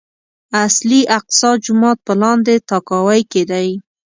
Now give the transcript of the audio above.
اصلي اقصی جومات په لاندې تاكاوۍ کې دی.